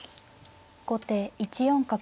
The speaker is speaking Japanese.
後手１四角。